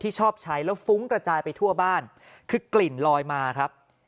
ชอบใช้แล้วฟุ้งกระจายไปทั่วบ้านคือกลิ่นลอยมาครับ